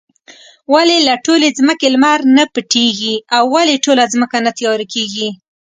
ولې له ټولې ځمکې لمر نۀ پټيږي؟ او ولې ټوله ځمکه نه تياره کيږي؟